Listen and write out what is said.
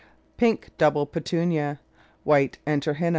Pink Double Petunia. White Antirrhinum.